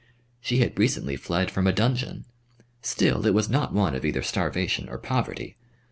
She had recently fled from a dungeon, still it was not one of either starvation or poverty.